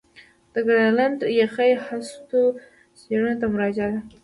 د ګرینلنډ یخي هستو څېړنو ته مراجعه ده